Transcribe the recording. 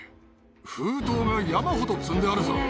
封筒が山ほど積んであるぞ。